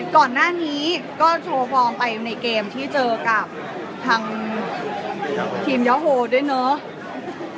ก่อนหน้านี้ก็โชว์ฟอร์มไปในเกมที่เจอกับทางทีมยาโฮด้วยเนอะ